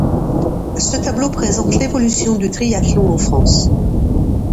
Ce tableau présente l'évolution du triathlon en France.